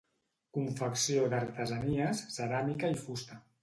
Confecció d'artesanies, ceràmica i fusta.